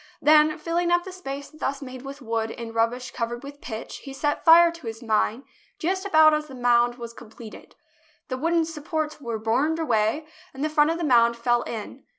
Then filling up the space thus made with wood and rubbish cov ered with pitch, he set fire to his mine just about as the mound was completed. The wooden supports were burned away, and the front of the mound fell in.